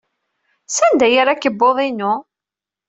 Sanda ay yerra akebbuḍ-inu?